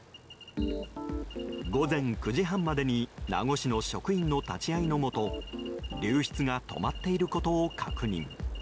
午前９時半までに名護市の職員の立ち会いのもと流出が止まっていることを確認。